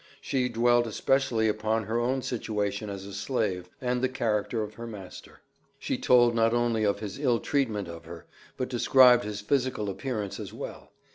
She dwelt especially upon her own situation as a slave, and the character of her master; she told not only of his ill treatment of her, but described his physical appearance as well.